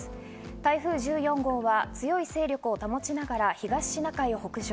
台風１４号は強い勢力を保ちながら東シナ海を北上。